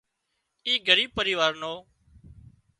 اي ڳريٻ پريوار نو